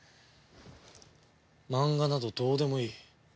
マンガなどどうでもいい。